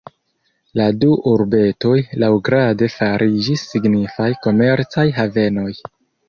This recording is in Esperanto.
La du urbetoj laŭgrade fariĝis signifaj komercaj havenoj.